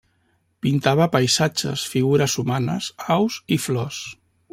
Pintava paisatges, figures humanes, aus i flors.